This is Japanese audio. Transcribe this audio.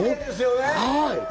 はい。